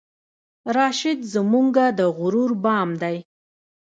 راشد زمونږه د غرور بام دی